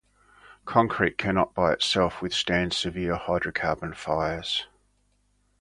Concrete cannot by itself withstand severe hydrocarbon fires.